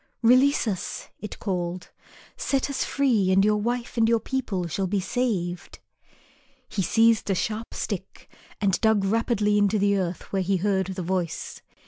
"Release us," it called, "set us free and your wife and your people shall be saved." He seized a sharp stick and dug rapidly into the earth where he had heard the voice.